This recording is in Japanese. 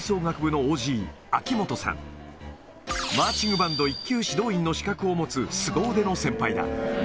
バンド１級指導員の資格を持つすご腕の先輩だ。